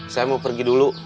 saya mau pergi dulu